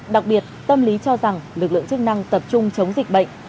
đặc biệt tâm lý cho rằng lực lượng chức năng tập trung chống dịch bệnh